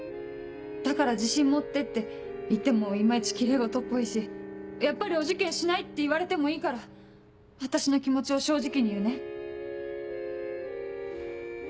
だから自信持ってって言っても今いちきれい事っぽいし「やっぱりお受験しない」って言われてもいいから私の気持ちを正直に言うね。